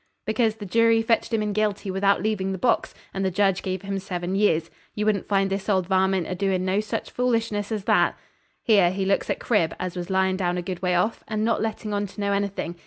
'Because the jury fetched him in guilty without leaving the box, and the judge give him seven years. You wouldn't find this old varmint a doin' no such foolishness as that.' Here he looks at Crib, as was lyin' down a good way off, and not letting on to know anything.